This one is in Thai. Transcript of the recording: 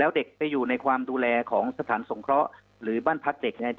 แล้วเด็กไปอยู่ในความดูแลของสถานสงเคราะห์หรือบ้านพักเด็ก